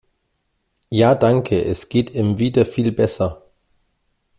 Ja danke, es geht im wieder viel besser.